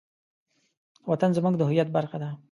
وطن زموږ د هویت برخه ده.